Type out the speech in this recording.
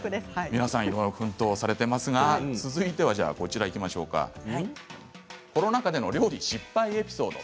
皆さん奮闘されていますが続いてはコロナ禍での料理失敗エピソード。